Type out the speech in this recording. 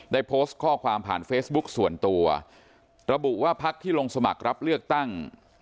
ได้โพสต์ข้อความผ่านเฟซบุ๊กส่วนตัวระบุว่าพักที่ลงสมัครรับเลือกตั้ง